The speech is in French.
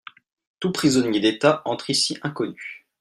Tout prisonnier d'État entre ici inconnu.